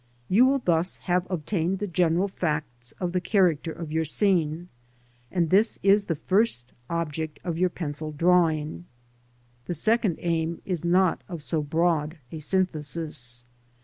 You will thus have obtained the general facts of the character of your scene, and this is the first object of your pencil drawing. The second aim is not of so broad a synthesis.